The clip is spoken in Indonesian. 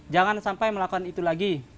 jangan sampai melakukan itu lagi